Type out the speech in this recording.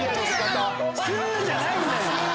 スゥじゃないんだよ！